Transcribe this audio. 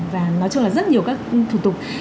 và nói chung là rất nhiều các thủ tục